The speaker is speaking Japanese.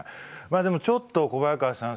でもちょっと小早川さん